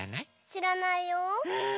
しらないよ。え？